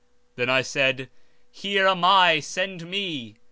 Then I said: Here am I; send me.